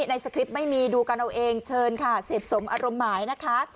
ในสคริปต์ไม่มีดูกันเอาเองเชิญค่ะเสพสมอารมณ์หมายนะคะ